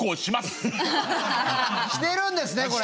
してるんですね？